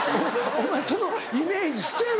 お前そのイメージ捨てろ。